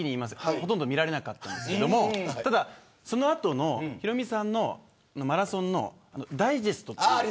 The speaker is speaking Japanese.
ほとんど見られなかったんですけどただ、その後のヒロミさんのマラソンのダイジェスト。